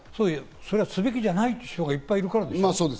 すべきじゃないって人がいっぱいいるからでしょ？